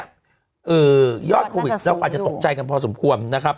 ยอดโควิดเราก็อาจจะตกใจกันพอสมควรนะครับ